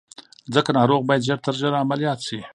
ځکه ناروغ بايد ژر تر ژره عمليات شي.